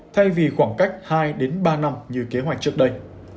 thay vì khoảng cách hai đến ba năm như kế hoạch trước đây